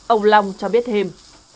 ông long cho biết thêm